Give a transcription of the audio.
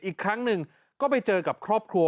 อีกครั้งหนึ่งก็ไปเจอกับครอบครัว